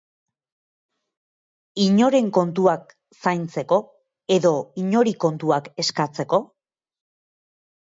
Inoren kontuak zaintzeko, edo inori kontuak eskatzeko?